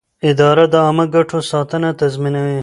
اداره د عامه ګټو ساتنه تضمینوي.